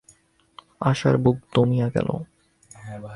আশার বুক দমিয়া গেল।